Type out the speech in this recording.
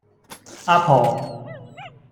阿婆